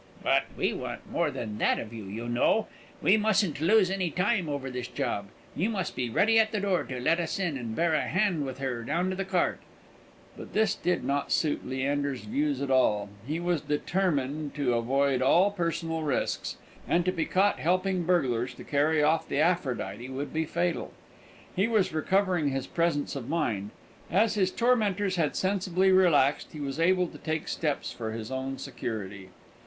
"But we want more than that of you, you know. We mustn't lose any time over this job. You must be ready at the door to let us in, and bear a hand with her down to the cart." But this did not suit Leander's views at all. He was determined to avoid all personal risks; and to be caught helping the burglars to carry off the Aphrodite would be fatal. He was recovering his presence of mind. As his tormentors had sensibly relaxed, he was able to take steps for his own security.